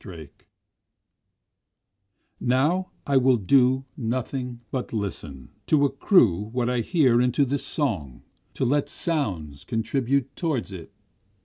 26 Now I will do nothing but listen, To accrue what I hear into this song, to let sounds contribute toward it.